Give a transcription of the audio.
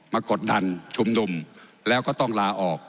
มากดดันชุมนุ่มจะละออกไปตามความต้องการของ